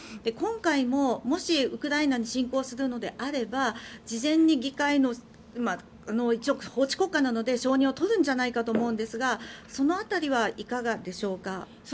今回も、もしウクライナに侵攻するのであれば事前に議会の一応、法治国家なので承認を取るんじゃないかと思うんですがその辺りはいかがでしょうか。